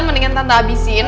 mendingan tante abisin